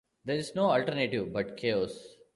There is no alternative but chaos...